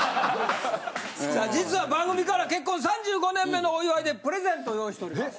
実は番組から結婚３５年目のお祝いでプレゼントを用意しております。